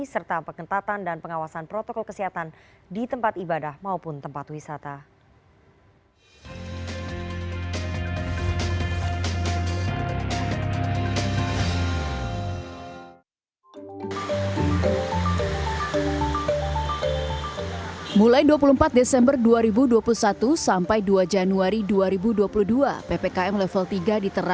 serta pekentatan dan pengawasan protokol kesehatan di tempat ibadah maupun tempat wisata